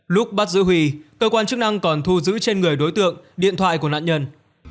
lúc bắt giữ huy cơ quan chức năng còn thu giữ trên người đối tượng điện thoại của nạn nhân